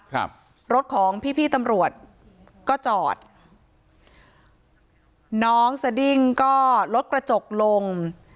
ครับรถของพี่พี่ตำรวจก็จอดน้องสดิ้งก็ลดกระจกลง